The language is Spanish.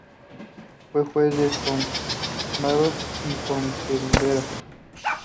Fue juez en Cambados y Pontevedra.